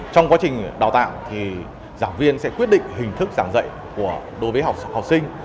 trong quá trình đào tạo thì giảng viên sẽ quyết định hình thức giảng dạy đối với học sinh